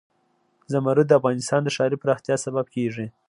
زمرد د افغانستان د ښاري پراختیا سبب کېږي.